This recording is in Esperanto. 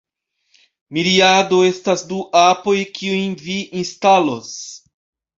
Miriado estas du apoj kiujn vi instalos